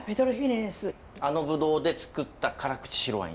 あのブドウで造った辛口白ワイン。